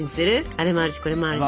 あれもあるしこれもあるし。